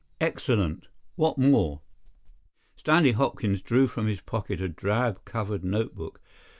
"Excellent! What more?" Stanley Hopkins drew from his pocket a drab covered notebook.